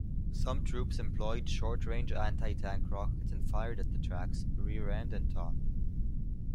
Some troops employed short-range anti-tank rockets and fired at the tracks, rear and top.